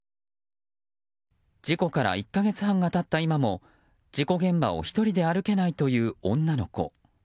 事故から１か月半が経った今も事故現場を１人で歩けないという女の子。